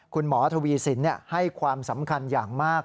คุณหมอทวีสินให้ความสำคัญอย่างมาก